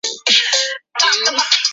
授兵科给事中。